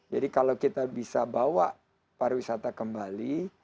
jadi kalau kita bisa bawa pariwisata kembali